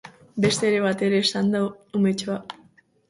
Beste era batera esanda, umetxoa.